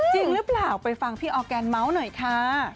จริงหรือเปล่าไปฟังพี่ออร์แกนเมาส์หน่อยค่ะ